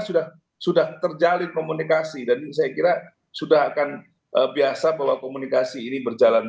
sudah sudah terjalin komunikasi dan saya kira sudah akan biasa bahwa komunikasi ini berjalan